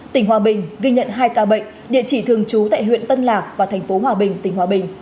tỉnh hòa bình ghi nhận hai ca bệnh địa chỉ thường trú tại huyện tân lạc và thành phố hòa bình tỉnh hòa bình